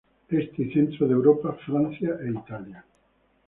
Este y centro de Europa, Francia e Italia.